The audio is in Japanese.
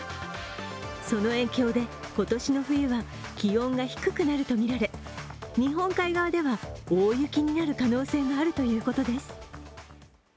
その影響で、今年の冬は気温が低くなるとみられ日本海側では大雪になる可能性があるということです。